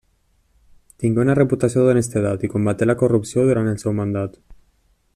Tingué una reputació d'honestedat i combaté la corrupció durant el seu mandat.